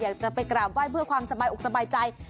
อยากจะไปกราบไหว้เพื่อความสบายอกสบายใจ